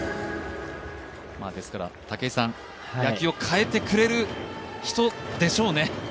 武井さん、野球を変えてくれる人でしょうね。